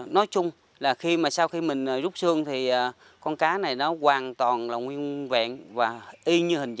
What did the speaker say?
nói chung là sau khi mình rút sườn thì con cá này nó hoàn toàn là nguyên vẹn và y như hình